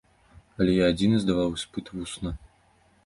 Але я адзіны здаваў іспыт вусна.